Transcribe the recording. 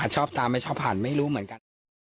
ชอบตาไม่ชอบหันไม่รู้เหมือนกัน